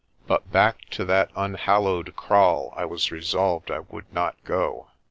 But back to that unhallowed kraal I was resolved I would not go.